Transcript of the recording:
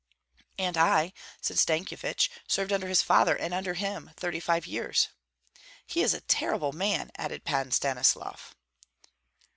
"And I," said Stankyevich, "served under his father and under him thirty five years." "He is a terrible man!" added Pan Stanislav.